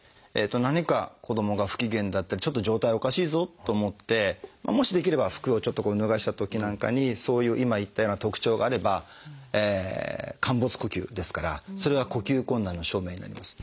何か子どもが不機嫌だったりちょっと状態おかしいぞと思ってもしできれば服をちょっと脱がしたときなんかにそういう今言ったような特徴があれば陥没呼吸ですからそれは呼吸困難の証明になります。